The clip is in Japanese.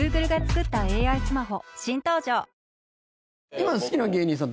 今好きな芸人さん